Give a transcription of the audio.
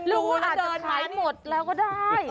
ลุงอาจจะใช้หมดแล้วก็ได้